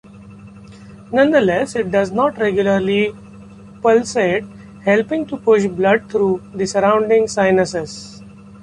Nonetheless, it does regularly pulsate, helping to push blood through the surrounding sinuses.